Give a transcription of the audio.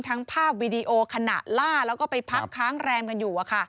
ภาพวีดีโอขณะล่าแล้วก็ไปพักค้างแรมกันอยู่